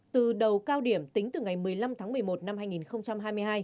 từ đầu cao điểm tính từ ngày một mươi năm tháng một mươi một năm hai nghìn hai mươi hai